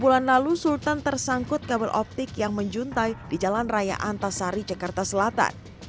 bulan lalu sultan tersangkut kabel optik yang menjuntai di jalan raya antasari jakarta selatan